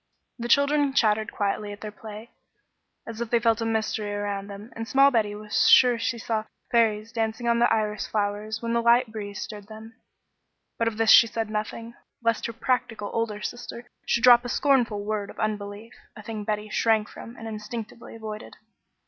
The children chattered quietly at their play, as if they felt a mystery around them, and small Betty was sure she saw fairies dancing on the iris flowers when the light breeze stirred them; but of this she said nothing, lest her practical older sister should drop a scornful word of unbelief, a thing Betty shrank from and instinctively avoided.